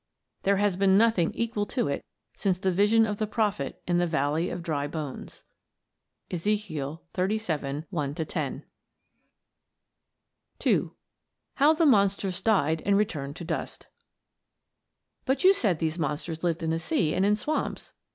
There has been nothing equal to it since the vision of the prophet in the Valley of Dry Bones. (Ezekiel 37:1 10.)] II. HOW THE MONSTERS DIED AND RETURNED TO DUST "But you said these monsters lived in the sea and in swamps.